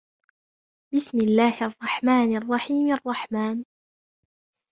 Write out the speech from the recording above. بِسْمِ اللَّهِ الرَّحْمَنِ الرَّحِيمِ الرَّحْمَنُ